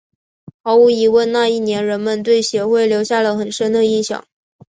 毫无疑问那一年人们对协会留下了很深的印象。